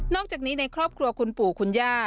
อกจากนี้ในครอบครัวคุณปู่คุณย่า